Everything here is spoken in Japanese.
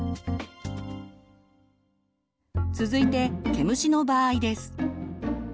続いて毛虫の場合です。